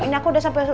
ini aku udah sampai